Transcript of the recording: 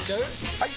・はい！